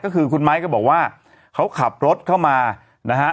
ก็คือคุณไม้ก็บอกว่าเขาขับรถเข้ามานะฮะ